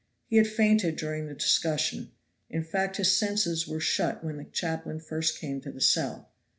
He had fainted during the discussion; in fact, his senses were shut when the chaplain first came to the cell.